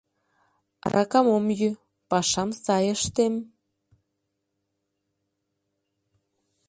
Аракам ом йӱ, пашам сай ыштем...